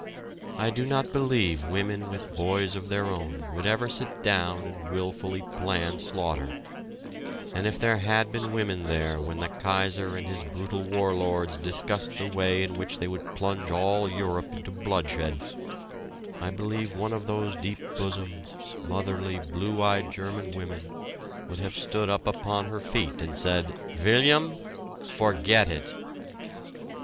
I do not believe women with boys of their own would ever sit down and wilfully plan slaughter, and if there had been women there when the Kaiser and his brutal war lords discussed the way in which they would plunge all Europe into bloodshed, I believe one of those deep bosomed, motherly, blue eyed German women would have stood upon her feet and said: "William forget it!"